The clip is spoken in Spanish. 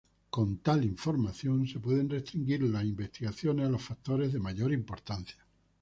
Can tal información se pueden restringir las investigaciones a los factores de mayor importancia.